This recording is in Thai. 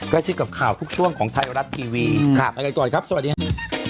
ชิดกับข่าวทุกช่วงของไทยรัฐทีวีไปกันก่อนครับสวัสดีครับ